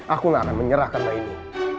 aku gak akan menyerah karena ini